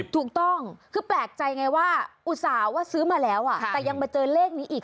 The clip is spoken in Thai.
ถูกต้องคือแปลกใจไงว่าอุตส่าห์ว่าซื้อมาแล้วแต่ยังมาเจอเลขนี้อีก